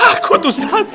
aku aku takut ustadz